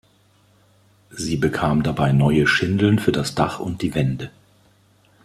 Sie bekam dabei neue Schindeln für das Dach und die Wände.